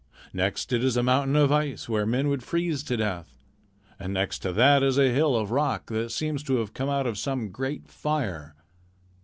Next it is a mountain of ice where men would freeze to death. And next to that is a hill of rock that seems to have come out of some great fire.